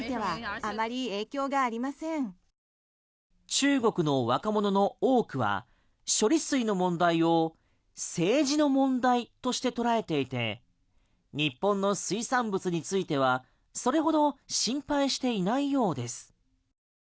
中国の若者の多くは処理水の問題を政治の問題として捉えていて日本の水産物についてはそれほど心配していないようです。